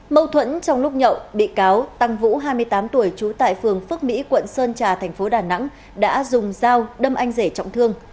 mâu thuẫn trong lúc nhậu bị cáo tăng vũ hai mươi tám tuổi trú tại phường phước mỹ quận sơn trà thành phố đà nẵng đã dùng dao đâm anh rể trọng thương